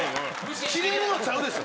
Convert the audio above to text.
キレるのはちゃうでしょ！